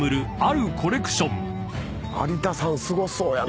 有田さんすごそうやな。